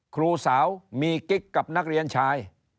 ครูสาวมีกิ๊กกับนักเรียนชาย